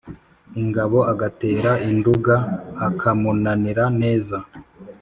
ingabo agatera i nduga hakamunanira neza.